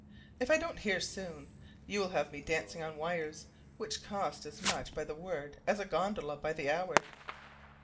If I don't hear soon, you will have me dancing on wires, which cost as much by the word as a gondola by the hour.